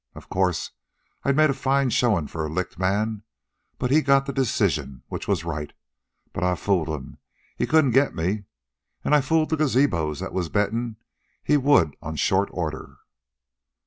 Of course, I'd made a fine showin' for a licked man, but he got the decision, which was right. But I fooled 'm. He couldn't get me. An' I fooled the gazabos that was bettin' he would on short order."